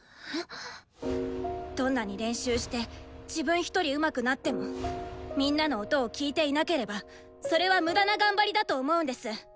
どんなに練習して自分ひとりうまくなってもみんなの音を聴いていなければそれは無駄な頑張りだと思うんです。